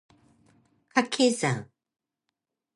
掛け算